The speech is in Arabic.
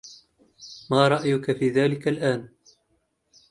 ما رأيك في ذلك الآن؟